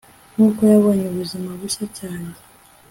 Nkuko yabonye ubuzima bushya cyane